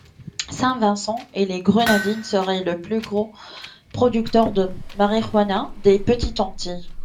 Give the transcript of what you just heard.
Saint-Vincent-et-les-Grenadines serait le plus gros producteur de marijuana des Petites Antilles.